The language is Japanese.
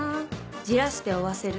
焦らして追わせる